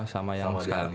sama yang sekarang